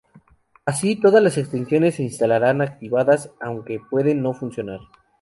Así, todas las extensiones se instalarán activadas, aunque pueden no funcionar.